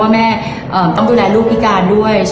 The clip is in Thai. หนึ่งหนึ่งทีใหม่พี่แม่ไปไหนขอรับเนินพี่แม่ว่าจะไป